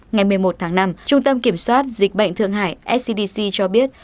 ngày một mươi một tháng năm trung tâm kiểm soát dịch bệnh thượng hải scdc cho biết